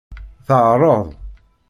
Teɛṛeḍ.